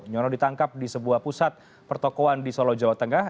nyono ditangkap di sebuah pusat pertokoan di solo jawa tengah